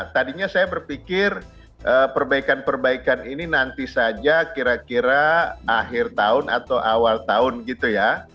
tadinya saya berpikir perbaikan perbaikan ini nanti saja kira kira akhir tahun atau awal tahun gitu ya